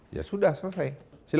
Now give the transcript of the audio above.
ya sudah selesai